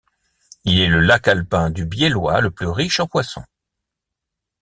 Il est le lac alpin du biellois le plus riche en poissons.